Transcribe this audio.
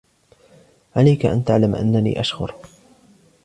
عليك أن تعلم أنني أشخر